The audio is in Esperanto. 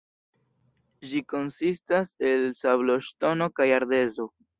Ĝi konsistas el sabloŝtono kaj ardezo.